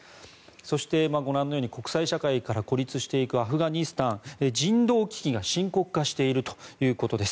そして、ご覧のように国際社会から孤立していくアフガニスタン、人道危機が深刻化しているということです。